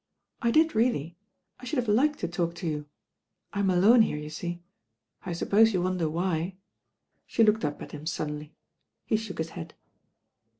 "I did reaUy. I should have liked to talk to you. I'm aione here, you see. I suppose you wonder why?" Skt looked up at him suddenly. He shook his head.